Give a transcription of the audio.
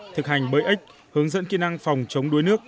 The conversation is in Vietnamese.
thực hành bơi ếch hướng dẫn kỹ năng phòng chống đuối nước